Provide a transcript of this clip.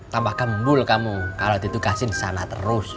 tambah gendul kamu kalau ditugasin sana terus